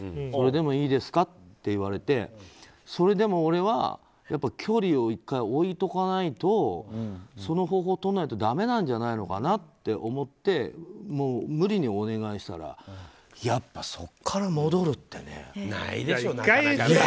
それでもいいですかって言われてそれでも俺は距離を１回置いておかないとその方法をとらないとだめなんじゃないのかなと思って無理にお願いしたらやっぱりそこから戻るってね。